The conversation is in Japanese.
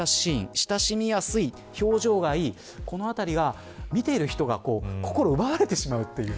親しみやすい、表情がいいこのあたりが、見ている人が心奪われてしまうという。